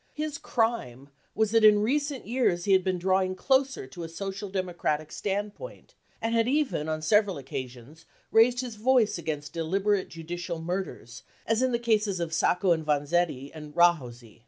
His " crime " was that in recent years he had been drawing closer to a Social Democratic standpoint and had even on several occasions raised his voice against deliberate judicial murders, as in the cases of Sacco and Vanzetti and Rahosi.